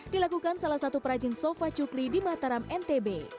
dilakukan salah satu perajin sofa cukli di mataram ntb